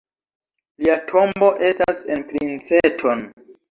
Lia tombo estas en Princeton.